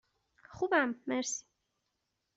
خوبم، مرسی.